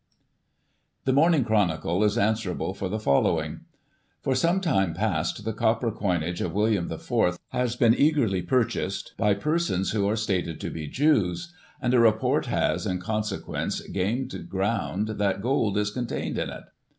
The Morning Chronicle is answerable for the following: " For some time past the copper coinage of William IV. has been eagerly purchased by persons who are stated to be Jews, and a report has, in consequence, gained ground that gold is contained in it.